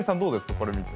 これ見て。